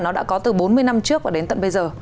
nó đã có từ bốn mươi năm trước và đến tận bây giờ